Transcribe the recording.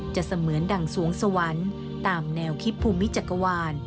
เสมือนดั่งสวงสวรรค์ตามแนวคิดภูมิจักรวาล